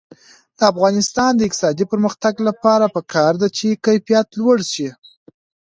د افغانستان د اقتصادي پرمختګ لپاره پکار ده چې کیفیت لوړ شي.